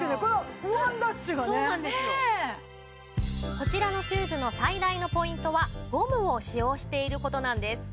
こちらのシューズの最大のポイントはゴムを使用している事なんです。